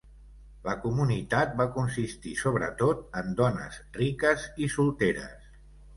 La comunitat va consistir sobretot en dones riques i solteres.